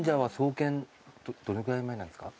どのくらい前なんですか？